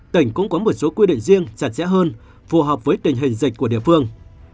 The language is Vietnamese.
tỉnh cũng có một số quy định riêng chặt chẽ hơn phù hợp với tình hình dịch của địa phương